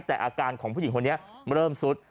แต่อาการของผู้หญิงคนนี้เริ่มสุด